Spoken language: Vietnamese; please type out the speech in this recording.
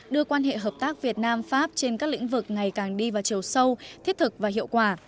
đưa quan hệ hợp tác việt nam pháp trên các lĩnh vực ngày càng đi vào chiều sâu thiết thực và hiệu quả